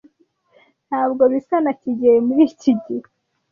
Ntabwo bisa na kigeli muri iki gihe.